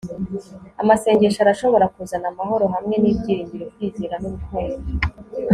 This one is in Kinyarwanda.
amasengesho arashobora kuzana amahoro hamwe n'ibyiringiro, kwizera, n'urukundo